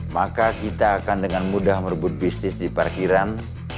maka kita akan dengan mudah merebut bisnis di parkiran